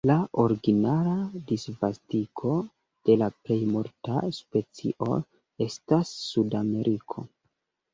La origina disvastigo de la plej multaj specioj estas Sudameriko.